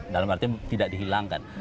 dalam arti tidak dihilangkan